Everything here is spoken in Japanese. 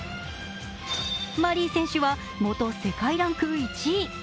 マリー選手は元世界ランク１位。